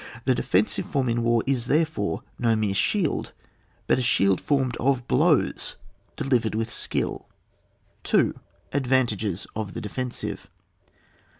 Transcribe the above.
The defen sive form in war is therefore no mere shield but a shield formed of blows de livered with skill. 2. — Advantages of the Defensive.